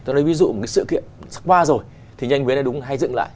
tôi nói ví dụ một cái sự kiện sắp qua rồi thì nhanh biến là đúng hay dựng lại